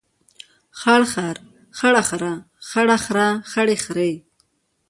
خړ خر، خړ خره، خړه خره، خړې خرې.